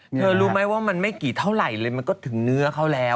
รู้ไหมว่ามันไม่กี่เท่าไหร่เลยมันก็ถึงเนื้อเขาแล้ว